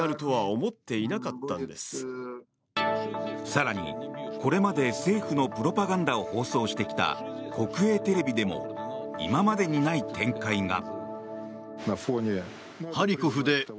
更に、これまで政府のプロパガンダを放送してきた国営テレビでも今までにない展開が。